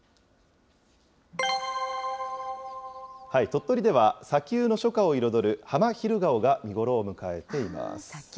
鳥取では、砂丘の初夏を彩るハマヒルガオが見頃を迎えています。